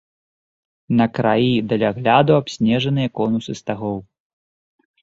На краі далягляду абснежаныя конусы стагоў.